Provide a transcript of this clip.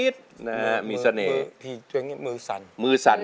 ถ้าเป็นความเชื่อมัน